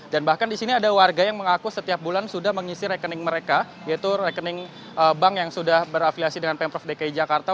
dan bahkan di sini ada warga yang mengaku setiap bulan sudah mengisi rekening mereka yaitu rekening bank yang sudah berafiliasi dengan pemprov dki jakarta